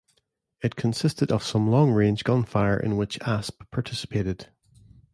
It consisted of some long-range gunfire in which "Asp" participated.